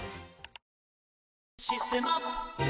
「システマ」